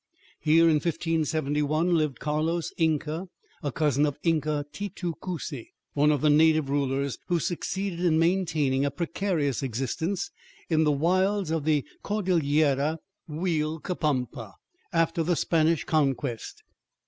Here, in 1571, lived Carlos Inca, a cousin of Inca Titu Cusi, one of the native rulers who succeeded in maintaining a precarious existence in the wilds of the Cordillera Uilcapampa after the Spanish Conquest.